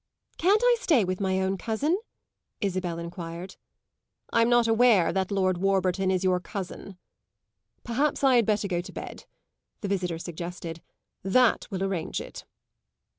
"Can't I stay with my own cousin?" Isabel enquired. "I'm not aware that Lord Warburton is your cousin." "Perhaps I had better go to bed!" the visitor suggested. "That will arrange it."